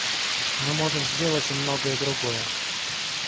Мы можем сделать и многое другое.